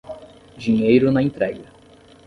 Dinheiro na entrega